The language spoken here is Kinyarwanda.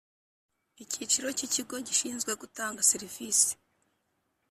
Icyiciro cya ikigo gishinzwe gutanga serivisi